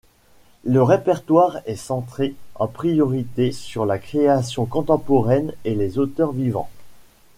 Le répertoire est centré en priorité sur la création contemporaine et les auteurs vivants.